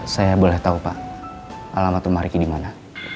saya boleh tahu pak alamat rumah ricky dimana